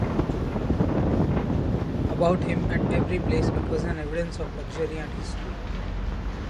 About him, at every place, it was an evidence of luxury and history.